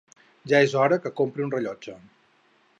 Ja és hora que compri un rellotge.